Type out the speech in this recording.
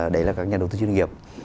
đấy là các nhà đầu tư chuyên nghiệp